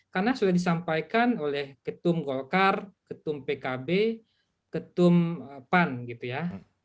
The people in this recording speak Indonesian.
karena sudah disampaikan oleh ketum golkar ketum pkb ketum pan gitu ya